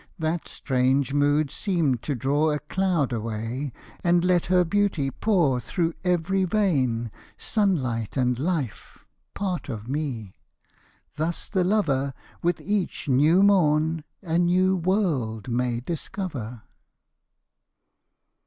That strange mood seemed to draw a cloud away, And let her beauty pour through every vein Sunlight and life, part of me. Thus the lover With each new morn a new world may discover.